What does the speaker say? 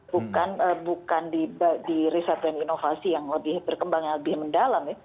bukan di riset dan inovasi yang lebih berkembang yang lebih mendalam ya